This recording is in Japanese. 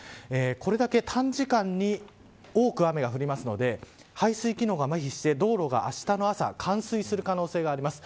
これだけ短時間に多く雨が降るので排水機能がまひして道路があしたの朝冠水する可能性があります。